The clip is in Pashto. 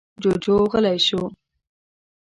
جوجو غلی شو.